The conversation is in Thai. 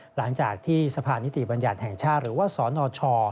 หลังจากที่สะพานนิติบัญญัติแห่งชาติหรือว่าสนช